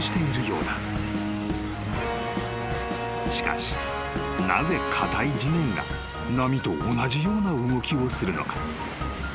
［しかしなぜ硬い地面が波と同じような動きをするのか？］